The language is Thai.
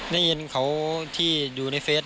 ในเย็นเขาที่ดูในเฟซ